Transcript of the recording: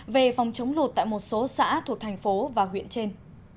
về phòng chống lụt tại một số xã thuộc thành phố và huyện trên